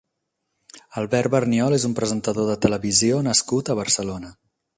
Albert Barniol és un presentador de televisió nascut a Barcelona.